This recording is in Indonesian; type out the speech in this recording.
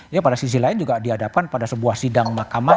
ya pada sisi lain juga dihadapkan pada sebuah sidang mahkamah